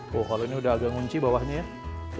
wah kalau ini udah agak ngunci bawahnya ya